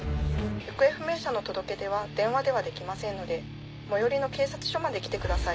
行方不明者の届け出は電話ではできませんので最寄りの警察署まで来てください。